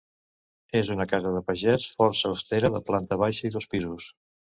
És una casa de pagès força austera de planta baixa i dos pisos.